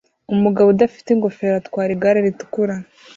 Umugabo udafite ingofero atwara igare ritukura